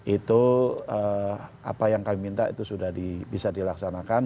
itu apa yang kami minta itu sudah bisa dilaksanakan